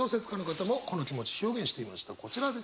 こちらです。